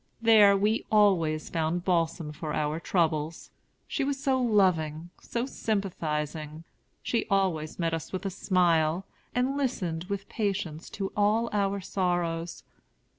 There we always found balsam for our troubles. She was so loving, so sympathizing! She always met us with a smile, and listened with patience to all our sorrows.